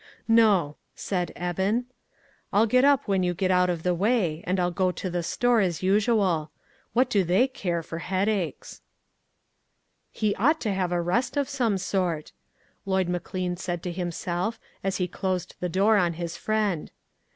"No," said Eben, "I'll get up when you get out of the way, and I'll go to the store as usual. What do they care for headaches ?" A VICTIM OF CIRCUMSTANCE. 153 " He ought to have a rest of some sort," Lloyd McLean said to himself, as he closed the door on his friend.